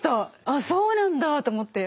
あっそうなんだと思って。